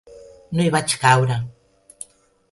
No hi vaig caure.